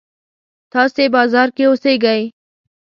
تاسې بازار کې اوسېږئ.